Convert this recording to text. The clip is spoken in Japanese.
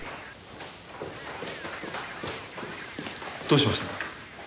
どうしました？